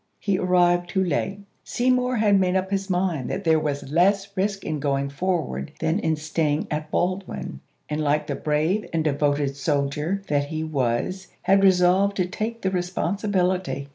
He arrived too late. Seymour had made up his mind that there w^as less risk in going forward than in staying at Baldwin, and like the brave and devoted soldier that he was had resolved to take the responsibility.